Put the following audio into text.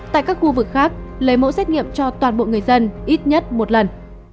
tại các khu vực khác lấy mẫu xét nghiệm cho toàn bộ người dân ít nhất một lần